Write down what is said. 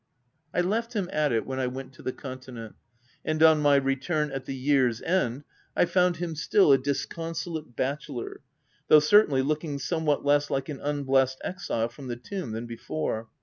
I left him at it when I went to the continent ; and on my return, at the year's end, I found him still a disconsolate bachelor — though, cer tainly, looking somewhat less like an unblest exile from the tomb than before.